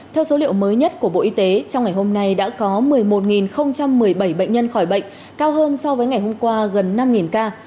theo số liệu mới nhất của bộ y tế trong ngày hôm nay đã có một mươi một một mươi bảy bệnh nhân khỏi bệnh cao hơn so với ngày hôm qua gần năm ca